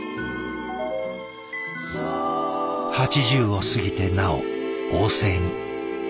８０を過ぎてなお旺盛に。